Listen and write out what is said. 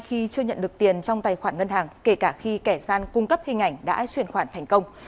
khi chưa nhận được tiền trong tài khoản ngân hàng kể cả khi kẻ gian cung cấp hình ảnh đã chuyển khoản thành công